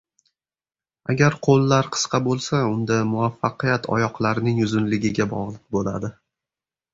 Agar qo‘llar qisqa bo‘lsa, unda muvaffaqiyat oyoqlarning uzunligiga bog‘liq bo‘ladi.